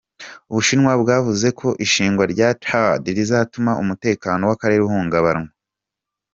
Ubushinwa bwavuze ko ishingwa rya "Thaad" rizotuma umutekano w'akarere uhungabana.